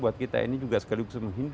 buat kita ini juga sekali lagi